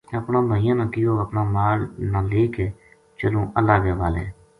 اپنا بھائیاں نا کہیو اپنا مال نا لے کے چلوں اللہ کے حوالے